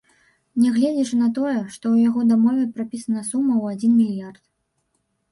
Нягледзячы на тое, што ў яго дамове прапісана сума ў адзін мільярд.